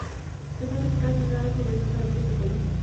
Se sabe casi nada sobre sus hábitos ecológicos.